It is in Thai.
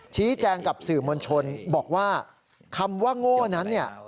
ชี้แจงกับสื่อมวลชนบอกว่าคำว่าโง่นั้นเนี่ย